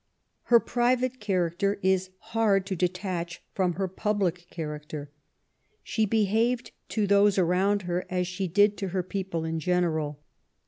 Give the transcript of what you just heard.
Her private character is hard to detach from her public character. She behaved to those around her as she did to her people in general.